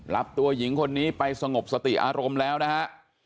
รับตัวหญิงคนนี้ไปสงบสติอารมณ์แล้วนะฮะ